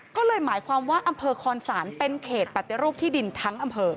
ก็เลยหมายความว่าอำเภอคอนศาลเป็นเขตปฏิรูปที่ดินทั้งอำเภอ